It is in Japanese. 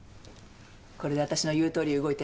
これで私の言うとおり動いて。